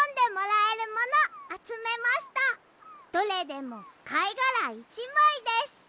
どれでもかいがら１まいです。